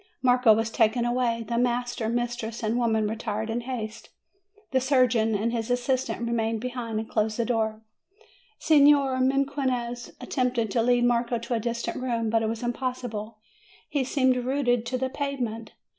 Marco was taken away. The master, mistress, and women retired in haste; the surgeon and his assistant remained behind, and closed the door. Signor Mequinez attempted to lead Marco to a dis tant room, but it was impossible ; he seemed rooted to the pavement.